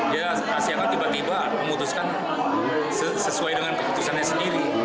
dia siaga tiba tiba memutuskan sesuai dengan keputusannya sendiri